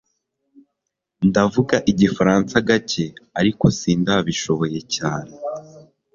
Ndavuga Igifaransa gake ariko sindabishoboye cyane